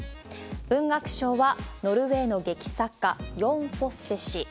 文学賞はノルウェーの劇作家、ヨン・フォッセ氏。